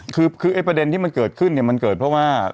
คือประเด็นที่มันเกิดขึ้นก็เพราะว่า